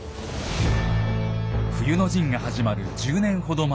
冬の陣が始まる１０年ほど前。